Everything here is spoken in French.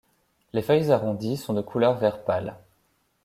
Les feuilles arrondies sont de couleur vert pâle.